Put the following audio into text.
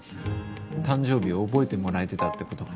誕生日覚えてもらえてたってことが。